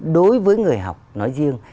đối với người học nói riêng